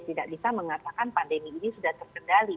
tidak bisa mengatakan pandemi ini sudah terkendali